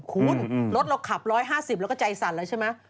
คุณรถเราขับ๑๕๐เราก็ใจสั่นแล้วใช่ไหม